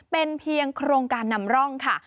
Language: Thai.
เป็นเพียงโครงการนำร่องค่ะ